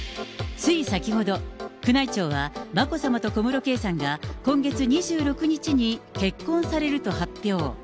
つい先ほど、宮内庁は眞子さまと小室圭さんが今月２６日に結婚されると発表。